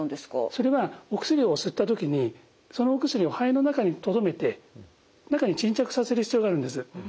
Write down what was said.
それはお薬を吸った時にそのお薬を肺の中にとどめて中に沈着させる必要があるんです。